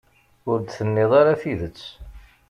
Ur d-tenniḍ ara tidet.